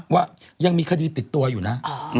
ว่ายังมีคดีติดตัวอยู่นะ